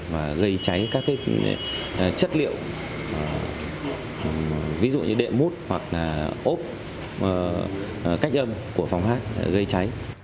và gây cháy các chất liệu ví dụ như đệm mút hoặc là ốp cách âm của phòng hát gây cháy